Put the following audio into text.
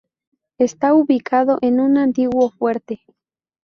Está ubicado en un antiguo fuerte.